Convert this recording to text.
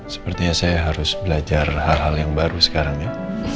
sepertinya saya harus belajar hal hal yang baru sekarang ya